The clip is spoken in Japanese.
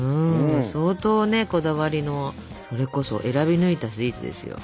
相当ねこだわりのそれこそ選び抜いたスイーツですよ。